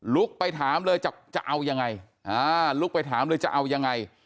ไปถามเลยจะเอายังไงลุกไปถามเลยจะเอายังไง